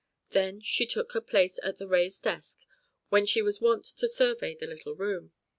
Then she took her place at the raised desk whence she was wont to survey the little room.